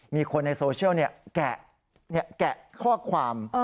มีคนในโซเชียลแกะข้อความ